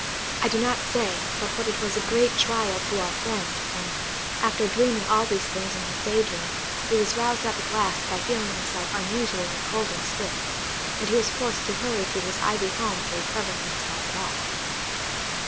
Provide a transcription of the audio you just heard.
I do not say, but what it was a great trial to our friend, when, after dreaming all these things in his day dreams, he was roused up at last by feeling himself unusually cold and stiff; and was forced to hurry to his ivy home to recover himself at all.